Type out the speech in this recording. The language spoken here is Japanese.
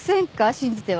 信じては。